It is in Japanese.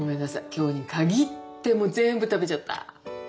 今日に限ってもう全部食べちゃった。